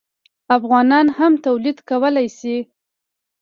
افغانان هم تولید کولی شي.